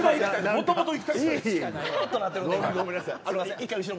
もともといきたいです。